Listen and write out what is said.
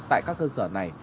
tại các cơ sở này